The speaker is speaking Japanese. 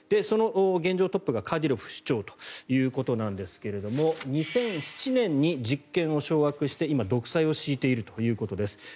その現状トップがカディロフ首長ということなんですが２００７年に実権を掌握して今、独裁を敷いているということです。